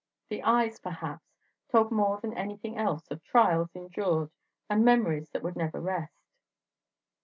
The eyes, perhaps, told more than anything else of trials endured and memories that would never rest.